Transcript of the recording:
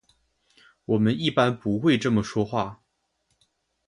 我们一般不会这么说话。